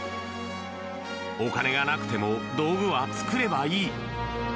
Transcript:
お金がなくても道具は作ればいい。